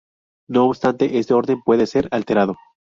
No obstante este orden puede ser alterado.